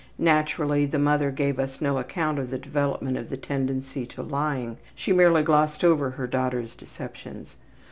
Naturally, the mother gave us no account of the development of the tendency to lying; she merely glossed over her daughter's deceptions.